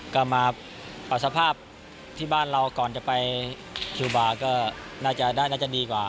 ก็มาเอาสภาพที่บ้านเราก่อนจะไปคิวบาร์ก็น่าจะดีกว่า